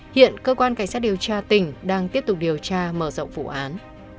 hiện cơ quan cảnh sát điều tra tỉnh đang tiếp tục điều tra mở rộng vụ án